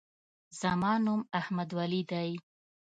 زما نوم احمدولي دی.